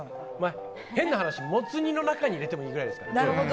変な話、もつ煮の中に入れてもいいくらいですから。